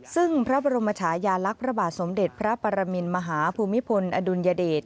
ซึ่งพระบรมชายาลักษณ์พระบาทสมเด็จพระปรมินมหาภูมิพลอดุลยเดช